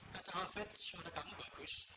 katal vets suara kamu bagus